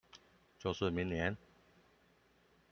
就是明年？